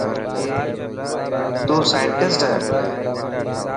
تون سانٽسٽ هي.